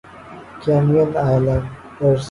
Cayman islands